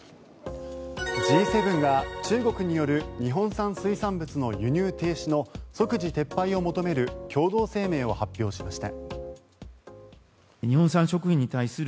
Ｇ７が、中国による日本産水産物の輸入停止の即時撤廃を求める共同声明を発表しました。